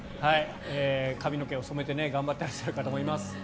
髪の毛を染めて頑張ってらっしゃる方もいます。